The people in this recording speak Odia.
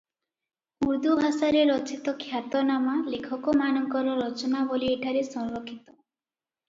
ଉର୍ଦ୍ଦୁ ଭାଷାରେ ରଚିତ ଖ୍ୟାତନାମା ଲେଖକମାନଙ୍କର ରଚନାବଳୀ ଏଠାରେ ସଂରକ୍ଷିତ ।